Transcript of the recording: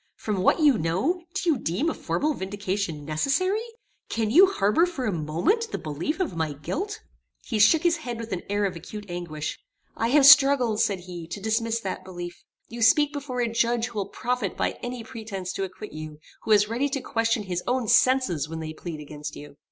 "From what you know, do you deem a formal vindication necessary? Can you harbour for a moment the belief of my guilt?" He shook his head with an air of acute anguish. "I have struggled," said he, "to dismiss that belief. You speak before a judge who will profit by any pretence to acquit you: who is ready to question his own senses when they plead against you."